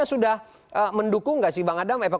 namanya sudah mendukung gak sih bang adam